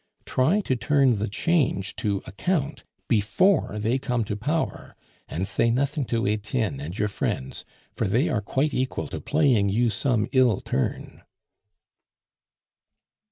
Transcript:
Try to turn the change to account before they come to power; and say nothing to Etienne and your friends, for they are quite equal to playing you some ill turn."